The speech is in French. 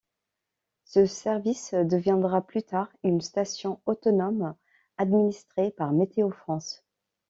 Ce service deviendra plus tard une station autonome administrée par Météo-France.